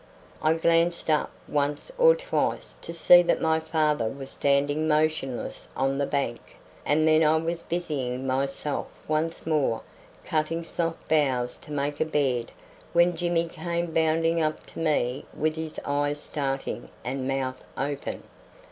I glanced up once or twice to see that my father was standing motionless on the bank, and then I was busying myself once more cutting soft boughs to make a bed when Jimmy came bounding up to me with his eyes starting and mouth open.